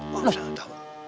loh nggak tahu